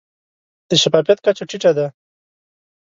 د شفافیت کچه ټیټه ده.